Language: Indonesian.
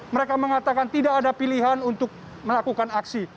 mereka mengatakan tidak ada pilihan untuk melakukan aksi